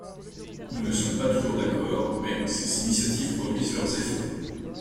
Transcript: Nous ne sommes pas toujours d’accord, mais, ses initiatives produisent leurs effets.